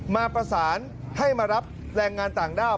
มาประสานให้มารับแรงงานต่างด้าว